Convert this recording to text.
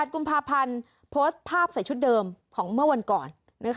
กุมภาพันธ์โพสต์ภาพใส่ชุดเดิมของเมื่อวันก่อน